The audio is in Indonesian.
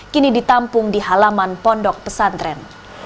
kini ditampung di halaman pondok pesantren